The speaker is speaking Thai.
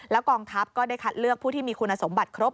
กองทัพก็ได้คัดเลือกผู้ที่มีคุณสมบัติครบ